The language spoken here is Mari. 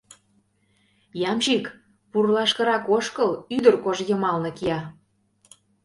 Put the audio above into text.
— Ямщик, пурлашкырак ошкыл, ӱдыр кож йымалне кия.